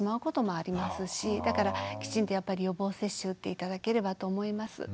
だからきちんとやっぱり予防接種打って頂ければと思います。